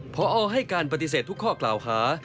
พอให้การปฏิเสธทุกข้อกล่าวหา